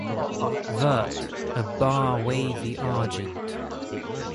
Vert, a Bar wavy Argent.